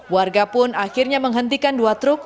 warga pun akhirnya menghentikan dua truk